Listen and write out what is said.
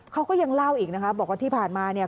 เขาก็ยังเล่าอีกนะคะบอกว่าที่ผ่านมาเนี่ย